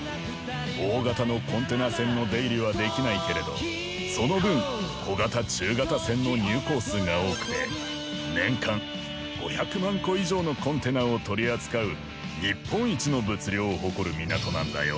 大型のコンテナ船の出入りはできないけれどその分小型中型船の入港数が多くて年間５００万個以上のコンテナを取り扱う日本一の物量を誇る港なんだよ。